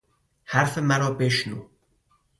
حرف مرا بشنو!